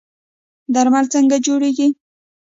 درمل څنګه جوړیږي؟